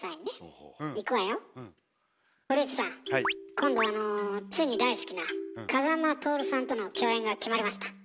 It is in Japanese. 今度あのついに大好きな風間トオルさんとの共演が決まりました。